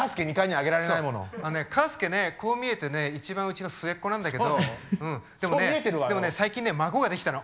あのねカースケねこう見えてね一番うちの末っ子なんだけどでもね最近孫ができたの！